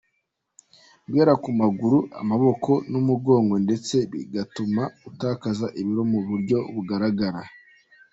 Guhera ku maguru, amaboko n’umugongo ndetse bigatuma utakaza ibiro mu buryo bugaragara.